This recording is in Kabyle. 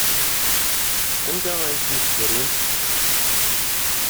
Anda ay ten-tebrimt?